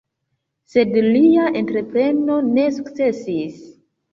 Sed lia entrepreno ne sukcesis.